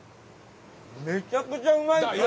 めちゃくちゃうまいですね！